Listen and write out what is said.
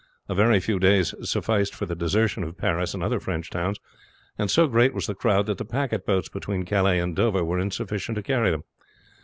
A very few days sufficed for the desertion of Paris and other French towns, and so great was the crowd that the packet boats between Calais and Dover were insufficient to carry them.